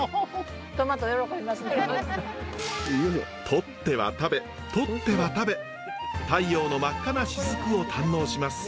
とっては食べとっては食べ太陽の真っ赤なしずくを堪能します。